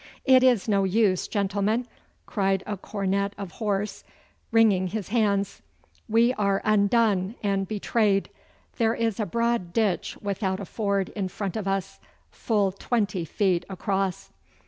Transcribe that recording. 'It is no use, gentlemen,' cried a cornet of horse, wringing his hands; 'we are undone and betrayed. There is a broad ditch without a ford in front of us, full twenty feet across!